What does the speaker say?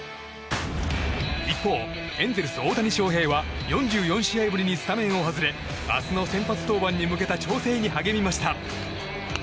一方、エンゼルス大谷翔平は４４試合ぶりにスタメンを外れ明日の先発登板に向けた調整に励みました。